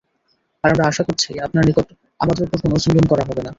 আর আমরা আশা করছি, আপনার নিকট আমাদের উপর কোন জুলুম করা হবে না।